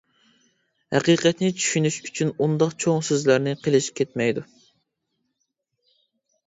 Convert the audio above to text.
ھەقىقەتنى چۈشىنىش ئۈچۈن ئۇنداق چوڭ سۆزلەرنى قىلىش كەتمەيدۇ.